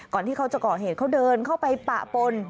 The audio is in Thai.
ที่เขาจะก่อเหตุเขาเดินเข้าไปปะปน